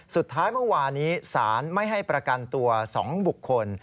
สุดท้ายเมื่อวานี้สารไม่ให้ประกันตัว๒บุคคล